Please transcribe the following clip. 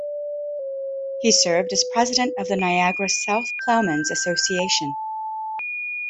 He served as president of the Niagara South Plowman's Association.